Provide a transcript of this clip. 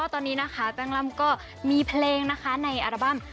ตอนนี้แปลงล่ำก็มีเพลงในอาร์บัน